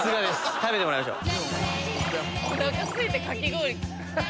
食べてもらいましょう。